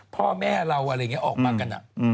พ่อแม่เราอะไรอย่างนี้ออกมากัน